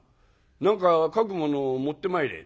何か描くものを持ってまいれ」。